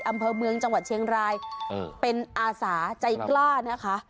อำเภอเมืองจังหวัดเชียงรายเป็นอาสาใจกล้านะคะ